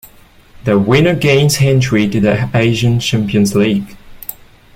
The winner gains entry to the Asian Champions League.